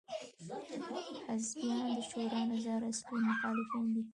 حزبیان د شورا نظار اصلي مخالفین دي.